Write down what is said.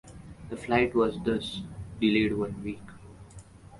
The flight was thus delayed one week.